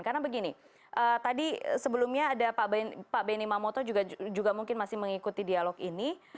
karena begini tadi sebelumnya ada pak benny mamoto juga mungkin masih mengikuti dialog ini